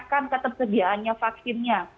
tidak ada keberadaan kebersediaannya vaksinnya